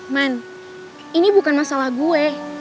man ini bukan masalah gue